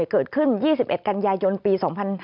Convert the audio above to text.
เกิดขึ้น๒๑กันยายนปี๒๕๕๙